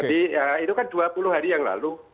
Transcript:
jadi itu kan dua puluh hari yang lalu